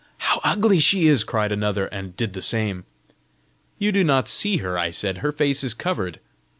"How ugly she is!" cried another, and did the same. "You do not see her," I said; "her face is covered!"